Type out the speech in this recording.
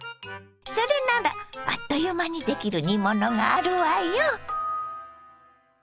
それならあっという間にできる煮物があるわよ。